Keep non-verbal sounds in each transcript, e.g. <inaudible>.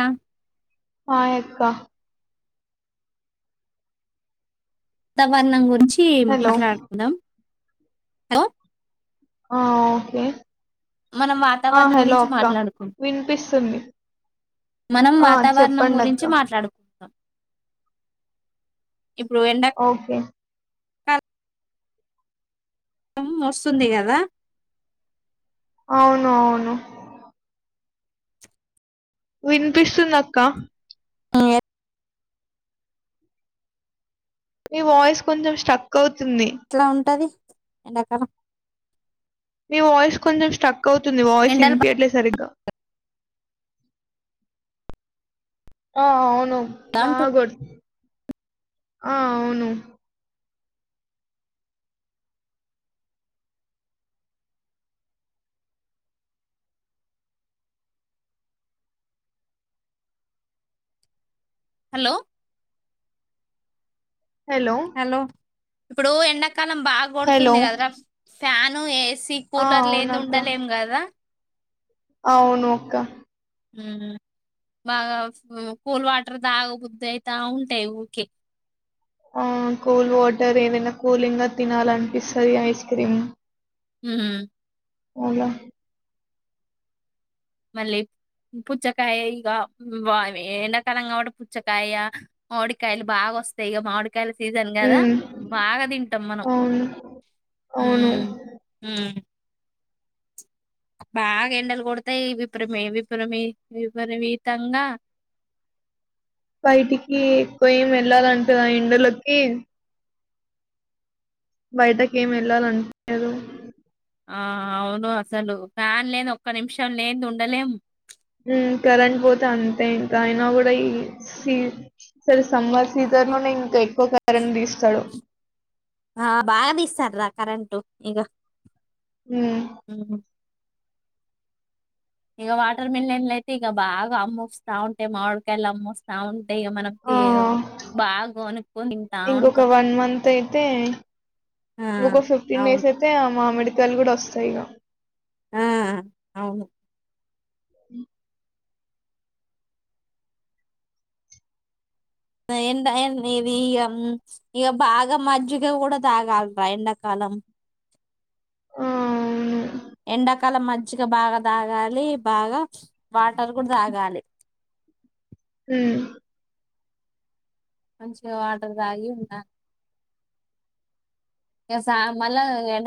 ఆ ఆ ఎక్క సబలా గురించి హలో మాట్లాడుకుందాం హలో ఆ ఓకే మనం ఆ వాతావరణం హలో గురించి అక్క మాట్లాడుకుంటాం వినిపిస్తుంది మనం ఆ వాతావరణం చెప్పండి గురించి అక్క మాట్లాడుకుంటాం ఇప్పుడు ఎంట ఓకే క వస్తుంది కదా అవును అవును వినిపిస్తుందిక్క ఏ మీ వాయిస్ కొంచెం స్ట్రక్ అవుతు ఎట్లా ఉంటది ఎంటక మీ వయిస్ కొంచెం స్ట్రక్ అవుతుంది వాయిస్ ఎండలు ఇనిపి బాగా అట్లే సరిగ్గా ఆ అవును అంటు బాగాగుడ్ ఆ అవును హలో హలో ఇప్పుడు ఎండ కలామ్ బాగా హలో కొడుతుంది కదరా ఫ్యాను ఏ ఏసీ ఆ కూలర్లు లేనిది అవునక్క ఉండలేం కదా అవును అక్క బాగా కోల్ వాటర్ దాగబుద్ధి అయితా ఉంటాయి ఓకే ఆ కూల్ వాటర్ ఏదైనా కూలింగ్ గా తినాల అనిపిస్తుంది ఐస్ క్రీమ్ మ్మ్ అవుగా మళ్ళీ పుచ్చకాయ ఇక ఎండాకాలం కాబట్టి పుచ్చకాయ మామిడికాయలు బాగా వస్తాయి ఇక మామిడికా కాల సీజన్ కదా ఉమ్ బాగా తింటాం మనం అవును అవును. మ్మ్ మ్మ్ కా బాగా ఎండలు కొడతాయి విపు్రమ విపు్రమ విపరీతంగా బయటికి ఎక్కువ ఏం వెళ్ళాలింటారా ఎండలోకి బయటకి ఏం వెళ్ళాలంటారు ఆ అవును అసలు ఫ్యాన్ లేని ఒక్క నిమిషం లేని ఉండలేము కరెంట్ పోతే అంతే ఇంకా అయినా కూడా ఈ సీ సరే సమ్మర్ సీజన్ లోనే ఇంకా ఎక్కువ కరెంట్ తీస్తాడు ఆ బాగా తెస్తాడు రా కరెంంటు ఈగ హ్మ ఇక వాటర్ మిలన్లు అయితే ఇక బాగా అమ్ముస్తా ఉంటే మామిడికాయలు అమ్ముస్తా ఉంటా అ ఆ! మనకి బాగనుకుంటా ఇంకొక ఉంటాం మంత్ అయితే ఆ అవును కాలు కూడా వస్తాయి ఇక ఆ అవును అ ఎ ఇది ఇక ఇక బాగా మజ్జిగ కూడా తాగాలరా ఎండాకాలం ఆ! అవును. ఎండాకాల మజ్జగ బాగా తాగాలి బాగా వాటర్ కూడా తాగాలి మ్మ్ మంచిగా వాటర్ తాగి ఉన్నాను ఇక సా మళ్ళా ఎ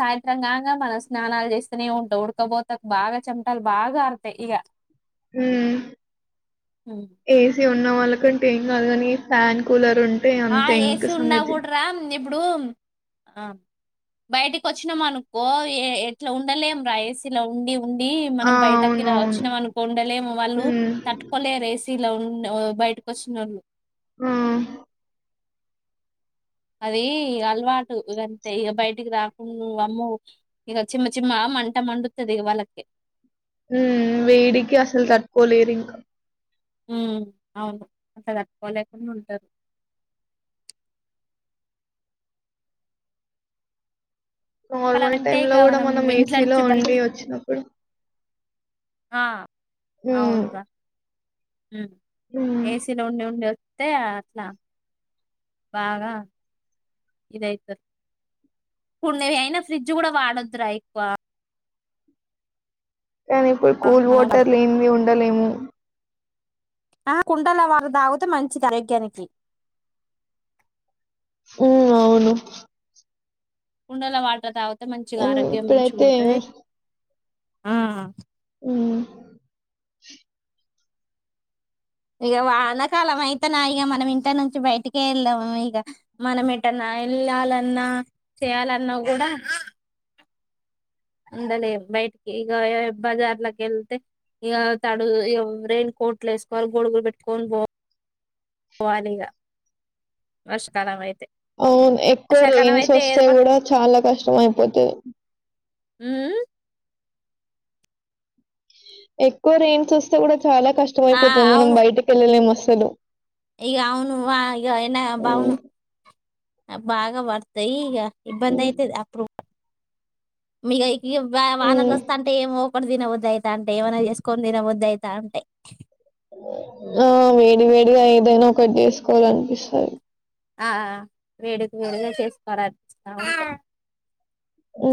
సాయంత్రం కాగా మనం స్నానాలు చేస్తూనే ఉంటా ఉడకపోతే బాగా చెమటాలు బాగా ఆడతాయి ఇక మ్మ్ ఏసి ఉన్న వాళ్ళకంటే ఏం కాదుగాని ఫ్యాన్ కూలర్ ఉంట ఆ ఏసిీ ఉన్నా కూడా రా ఇప్పుడు ఆ బయటికి వచ్చినాం అనుకో ఎట్లా ఉండలేం రా ఏసిలో ఉండి ఉండి ఉండి ఆ! మనం బయటకి అవునవును. వచ్చిననుండలే వాళ్ళు హ్మ్. తట్టుకోలేేరు ఏసి ఇలా ఉ బయటకు వస్తున్నారు ఆ అది అలవాటు ఇదంతే ఇక బయటికి రాకుండా అమ్మ ఇక చిమ చిమ మంట మండుతుంది వాళ్ళకి మ్మ్ వేడికి అసలు తట్టుకోలేరు ఇంకా మ్మ్ అవును అసదపోలే కొ ఉంటారు ఎండాకాలం నార్మల్ అంటే టైమ్ ఇగ లో కూడా మనం ఇంట్లో ఏసీలో నుంచి ఉండి బయటి వచ్చినప్పుడు ఆ హ్మ్. అవును గా హ్మ్. ఏసీలో ఉండి ఉండి అంతే అట్లా బాగా ఇదవుతుంది ఇప్పుడు ను అయినా ఫ్రిడ్జ్ కూడా వాడొదురా ఎక్కువ కానీ ఇప్పుడు కూల్ మనం వాటర్ లేన్ది ఉంట ఉండలేము ఆ కుండల వారు తాగుతే మంచిది ఆరోగ్యానికి మ్మ్ అవును కుండాలో వాటర్ త ఎంత మంచిగా అండ్ ఆరోగ్యం మంచి ఇప్పుడైతే ఉంటది ఆ మ్మ్ ఇక వానకాలం అయితే నా ఇక మనం ఇంట నుంచి బయటికే వెళ్దాము ఇక మనం ఇటన్నా వెళ్ళాలన్నా చేయాలన్నా కూడా ఉందలే బయటికి ఇక బజార్లకి వెళ్తే ఇక తడు రెయిన్ కోట్లు వేసుకోవాలి గోడుగులు పెట్టుకని పోాల వాలిగా వర్షకాలమతే అవును ఎక్కువ రెయిన్స్ వస్తే కూడా చాలా కష్టం అయిపోతుది మ్మ్ ఎక్కువ రేంట్స్ వస్తే కూడా చాలా కష్టమయిపోతుంది మనం బయటకి వెళ్ళలేం అసల్ చలో ఇగ అవును వా ఇగ ఏనా బావును హ్మ్. ఆ బాగా పడతాయి ఇగ ఇబ్బంది హ్మ్. అయితది అప్పుడు <inaudible> ఈ వానర్లు హ్మ్. వస్తా అంటే ఏమో ఇప్పుడు దినబద్ద్దదు అవుతా అంటే ఏమన్నా చేసుకొని తినబద్ద అవుతా అంటే ఆ వేడి వేడిగా ఏదైనా ఒకటి చేసుకోవాల అనిపిస్తారు ఆ వేడికి వేళే చేసుకోవాలస్తాము ఆ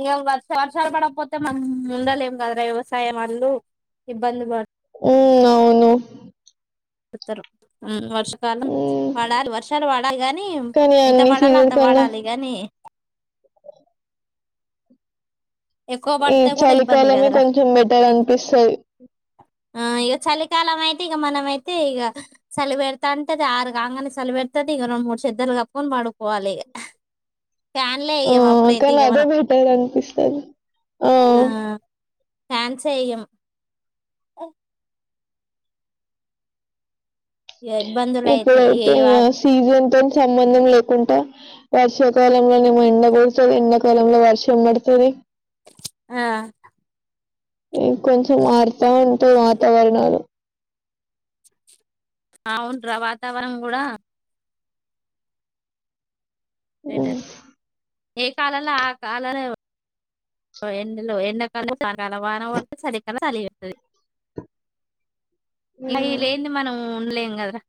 ఇక వసారుసార్ పడకపోతే మనం ఉండలేం కదా వ్యవసాయం వాళ్ళు ఇబ్బంది పడు ఉ అవును తారు వర్షాకాలం ఉమ్, పడాలి వర్షాలు పడాలి గాని కానీ ఎంత అన్ని వాడాలో సీరియల్ అంత కన్నా వాడాలి గాని ఎక్కువ ఈ పడితే కూడా ఇబ్బంది చలికాలమే కదరా. కొంచెం బెటర్ అనిపిస్తుంది కాలం అయితే ఇక మనమయితే ఇక చలి పెడత అంటేది ఆరుంగనే చలి పెడతంది ఇక రెండు మూడు చెద్దరుగా ఫోన్ పడుపోవాలి ఇక ఆ కనీ అదే బేటారు అనిపిస్తది ఆ ఫ్యాన్స్ వెయ్యం ఇగ ఇబ్బందులు ఇప్పుడు అయితాయి ఏ అయితే అయ వాత సీజన్ సంబంధం లేకుండా వర్షాకాలంలోనేమ ఎండగడుతుంది ఎండాకాలంలో వర్షం పడుతుంది ఆ కొంచెం ఆడుతా ఉంటా వాతావరణాలు అవుంట్రా వాతావరణం కూడా ఓ బెటర్ ఏ కాలంలో ఆ కాలంలో ఎలో ఎండాకాల చాల వాన వ చలికాల చలిపోతుంది అవి ఉమ్, లేని మనం ఉండలేము కదరా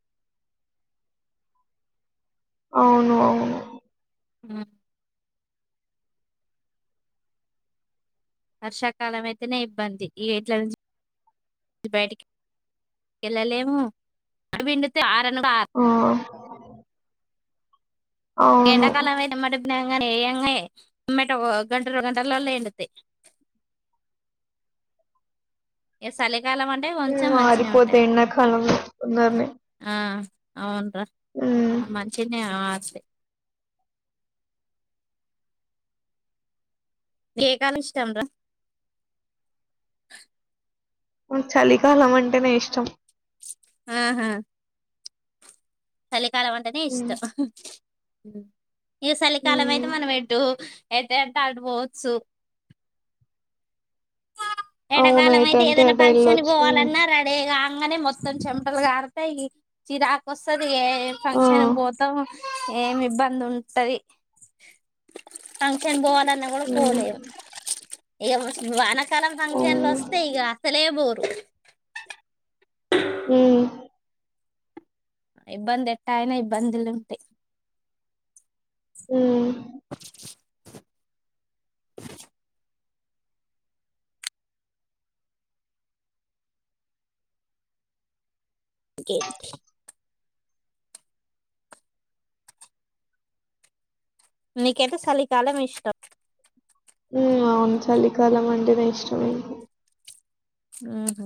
అవును అవును ఆ వర్షాకాలం అయితేనే ఇబ్బంది ఈ ఎట్ల ను బయటికి వెళ్ళలేము పిండితే అనుస ఆ, అవును ఎండకాల అతే మరి ఎ ఎంగ ఉమ్మట గంటరు గంటలా ఉడితే ఎ సాల మరిపోతే ఎన్న కాలంందమే అవును మంచినే ఆ అ ఎ కాలం ఇష్టంరా చలికాలం అంటే నే ఇష్టం ఆ హా అలి చాలీమంటనే ఉమ్ ఇష్టం అ ఈ చలికాలం అయితే ఉమ్ మనం ఎటు అతే అంత అడుపోవచ్చు అవును ఎడాకాలం అయితే ఎటంటే ఏదైనా అటు పంక్షని వెళ్ళొచ్చు ఉమ్, పోవాలన్నా రెడేగా నే మొత్తం చెమటలు కారుతాయి చిరాక వస్తంది ఇగ ఆ ఫంక్షన్ పోత ఏమి ఇబ్బంది ఉంటది ఫంక్షన్కి పోవాల ఉమ్ పోలేవ్ ఏ వాన కాల తనక అవును రస్తే ఇక అసలే బు అ ఇబ్బంది ఎట్టయినా ఇబ్బందులు ఉంటాయి ఉ కే నీకైతే చలి కాలమి ఇష్టం అవును చలికాలం అంటే న ఇష్టమే ఆహ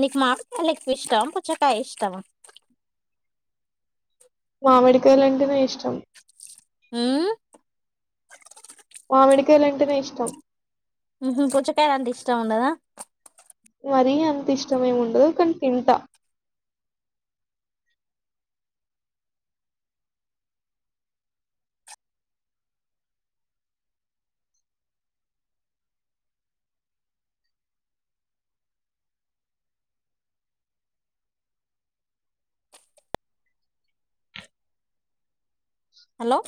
నీకు మామిడికయలు ఎక్కువ ఇష్టమా పుచ్చకాయలు ఇష్టామా మామిడికాయలు అంటే నాకు ఇష్టం అ మామిడికాయలు అంటేనే ఇష్టం పుచ్చకాయలు అంత ఇష్టం ఉండదా మరీ అంత ఇష్టమ ఏమి ఉండదు కానీ తింట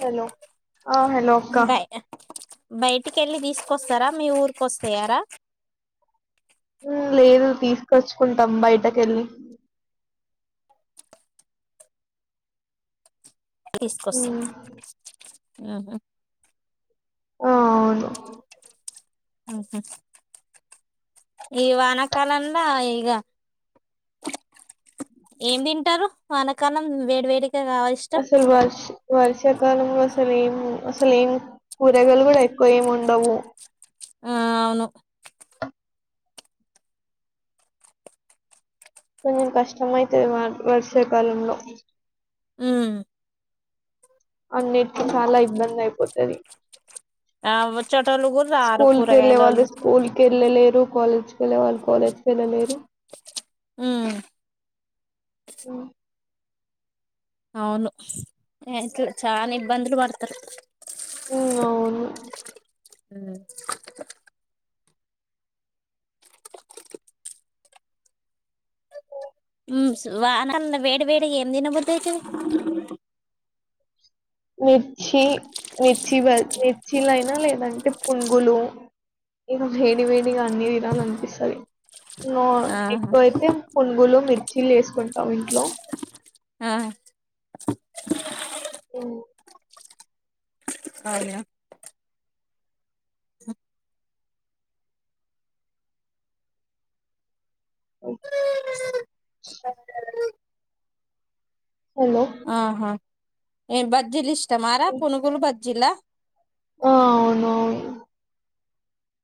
హలో ఆ హలో అక్క బయ బయటికి వెళ్ళి తీసుకొస్తారా మీ ఊరికు వస్తాయారా లేదు తీసుకొచ్చుకుంటాం బయటక వెళ్ళి తీసుకొస్తాను ఉమ్, ఆహా ఆ అవును ఈ వానకాలంలో ఇగ ఏం తింటారు వానకాలం వేడి వేడి అసలు వర్ష వర్షాకాల వ అసలు ఏం అసలు ఏం కూరగాయలు కూడా ఎక్కువ ఏమి ఉండవు ఆ అవును కొంచం కష్టమయితది వర్సాకాలంలోంలో అ అన్నిటికి చాలా ఇబ్బంది అయిపోతుంది ఆ వచ్చేటోళ్ళు కూడా రారు స్కూల్ కేలేవాల కూరగాయలోళ్ళు స్కూల్ కేలే లేరు కాలజ వెళ్ళే వాళ్ళు కాలేజ్కి వెళ్ళలేరు అ అఓ అవును ఆతు చానా ఇబ్బందులు పడుతారు ఉ అవును హ వాన వేడి వేడి ఏం తినబతచ్చ మిర్చి మిర్చి బ మిర్చీల అయినా లేదంటే పుంగులు ఇక వేడి వేడిగా అన్ని తినాలనిపిస్తుంది ఆహా ఎక్కువైతే పునుగులు మి చిల్లి వేసుకుంటాం ఇంట్లో ఆ ఏను అ అఓ హలో ఆహా ఏ బజ్జీలు ఇష్టంరా పునుగులు బజ్జీలా ఆ అవును అవును